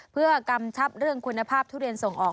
เพื่อกำชับเรื่องคุณภาพทุเรียนส่งออก